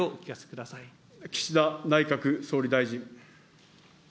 岸田内閣総理大臣。